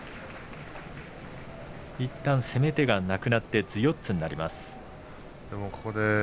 いったん攻め手がなくなって頭四つになります。